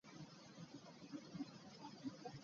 Wano obeera omenye mateeka gaffe.